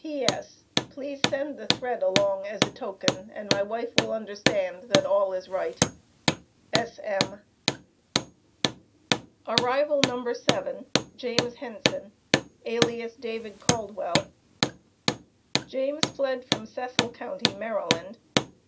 P.S. Please send the thread along as a token and my wife will understand that all is right. S.M. Arrival No. 7. James Henson, alias David Caldwell. James fled from Cecil Co., Md.